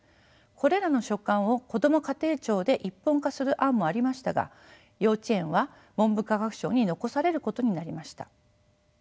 これらの所管をこども家庭庁で一本化する案もありましたが幼稚園は文部科学省に残されることになりました。